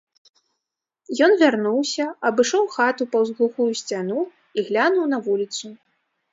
Ён вярнуўся, абышоў хату паўз глухую сцяну і глянуў на вуліцу.